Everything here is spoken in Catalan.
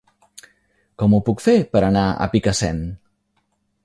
Com ho puc fer per anar a Picassent?